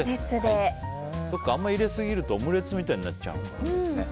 あんまり入れすぎるとオムレツみたいになっちゃうのか。